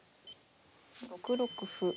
６六歩。